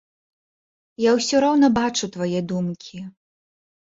Я ўсё роўна бачу твае думкі.